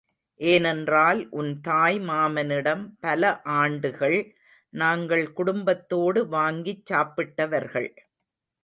ஏனென்றால் உன் தாய் மாமனிடம் பல ஆண்டுகள் நாங்கள் குடும்பத்தோடு வாங்கிச் சாப்பிட்டவர்கள்.